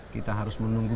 kita harus menunggu